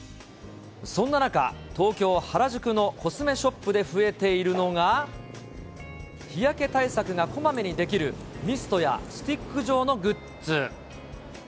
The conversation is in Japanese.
そんな中、東京・原宿のコスメショップで増えているのが、日焼け対策がこまめにできる、ミストやスティック状のグッズ。